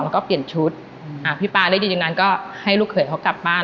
แล้วก็เปลี่ยนชุดอ่าพี่ป๊าได้ยินอย่างนั้นก็ให้ลูกเขยเขากลับบ้าน